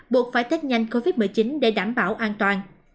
buộc phải test nhanh covid một mươi chín để đảm bảo an toàn